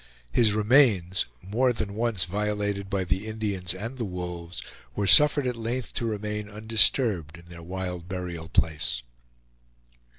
His remains, more than once violated by the Indians and the wolves, were suffered at length to remain undisturbed in their wild burial place.